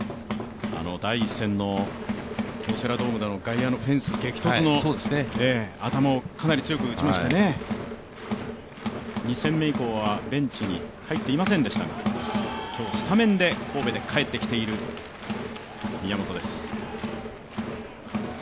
第１戦の京セラドームでの外野のフェンス激突の、頭をかなり強く打ちましてね、２戦目以降はベンチに入っていませんでしたが、今日スタメンで神戸で帰ってきている宮本です。